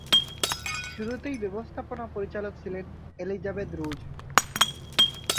শুরুতেই ব্যবস্থাপনা পরিচালক ছিলেন এলিজাবেথ রুজ।